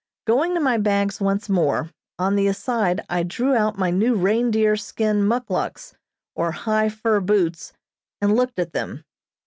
Going to my bags once more, on the aside I drew out my new reindeer skin muckluks, or high fur boots, and looked at them.